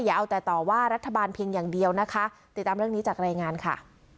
อย่าเอาแต่ต่อว่ารัฐบาลเพียงอย่างเดียวนะคะติดตามเรื่องนี้จากรายงานค่ะ